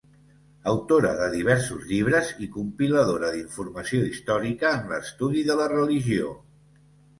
Autora de diversos llibres i compiladora d'informació històrica en l'estudi de la religió.